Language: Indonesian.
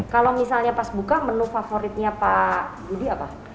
kalau misalnya pas buka menu favoritnya pak budi apa